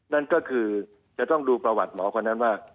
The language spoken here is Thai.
นั่นก็คือจะต้องดูประวัติหมอคนนั้นว่า